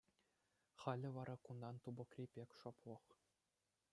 Халӗ вара кунта тупӑкри пек шӑплӑх.